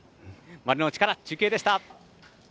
丸の内から中継でした。